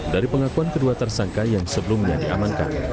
dari pengakuan kedua tersangka yang sebelumnya diamankan